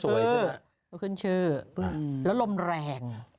เขาขึ้นชื่อแล้วลมแรง